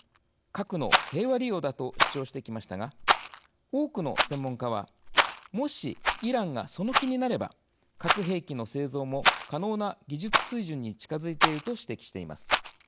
核の平和利用だ」と主張してきましたが多くの専門家はもしイランが、その気になれば核兵器の製造も可能な技術水準に近づいていると指摘しています。